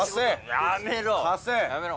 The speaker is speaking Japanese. やめろ。